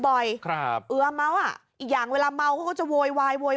บ่อยครับเอื้อเมาอ่ะอีกอย่างเวลาเมาเขาก็จะโวยวายโวย